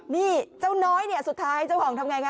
นี่เจ้าน้อยสุดท้ายเจ้าห่องทำอย่างไร